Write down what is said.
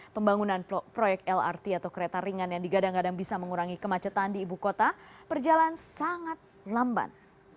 pembangunan proyek lrt atau kereta ringan yang digadang gadang bisa mengurangi kemacetan di ibu kota berjalan sangat lamban